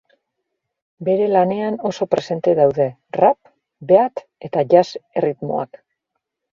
Bere lanean oso presente daude rap, beat eta jazz erritmoak.